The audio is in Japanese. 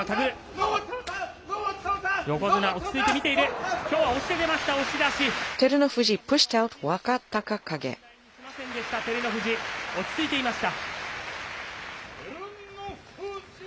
問題にしませんでした、照ノ富士、落ち着いていました。